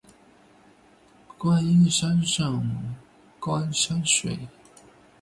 观音山上观山水